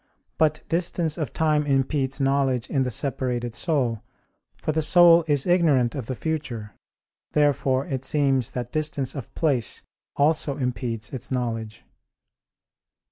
But distance of time impedes knowledge in the separated soul, for the soul is ignorant of the future. Therefore it seems that distance of place also impedes its knowledge.